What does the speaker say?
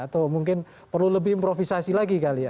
atau mungkin perlu lebih improvisasi lagi kali ya